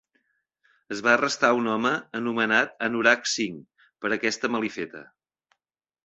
Es va arrestar a un home, anomenat Anurag Singh, per aquesta malifeta.